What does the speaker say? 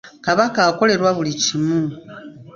Kabaka akolerwa buli kimu.